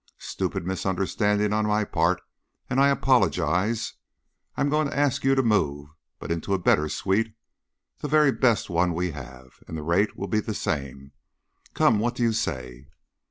Stupid misunderstanding on my part, and I apologize. I'm going to ask you to move, but into a better suite the very best one we have. And the rate will be the same. Come! What do you say?"